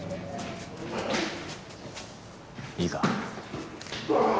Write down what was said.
いいか？